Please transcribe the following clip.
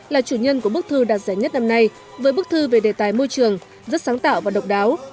là chủ nhân của bức thư đạt giải nhất năm nay với bức thư về đề tài môi trường rất sáng tạo và độc đáo